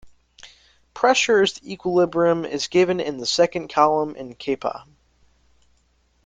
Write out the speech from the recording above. Pressure of the equilibrium is given in the second column in kPa.